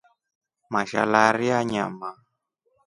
Mashalarii anyama.